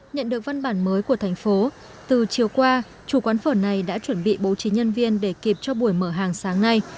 nhận được văn bản mới của thành phố từ chiều qua chủ quán phở này đã chuẩn bị bố trí nhân viên để kịp cho buổi mở hàng sáng nay